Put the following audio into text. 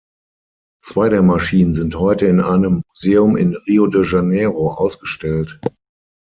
Zwei der Maschinen sind heute in einem Museum in Rio de Janeiro ausgestellt.